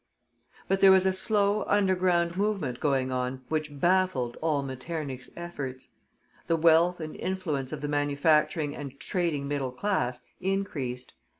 But there was a slow underground movement going on which baffled all Metternich's efforts. The wealth and influence of the manufacturing and trading middle class increased.